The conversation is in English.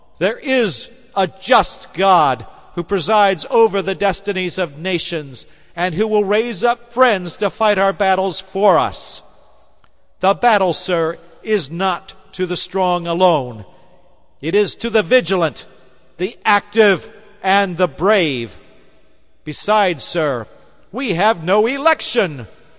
There is a just God who presides over the destinies of nations, and who will raise up friends to fight our battles for us. The battle, sir, is not to the strong alone; it is to the vigilant, the active, the brave. Besides, sir, we have no election.